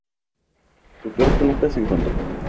Su cuerpo nunca se encontró.